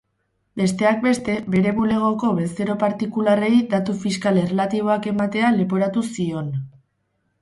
Besteak beste, bere bulegoko bezero partikularrei datu fiskal erlatiboak ematea leporatu zioni.